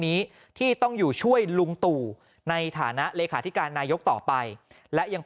นี้ที่ต้องอยู่ช่วยลุงตู่ในฐานะเลขาธิการนายกต่อไปและยัง